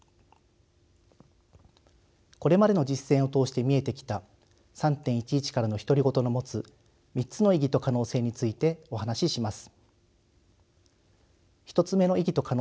これまでの実践を通して見えてきた「３．１１からの独り言」の持つ３つの意義と可能性についてお話しします。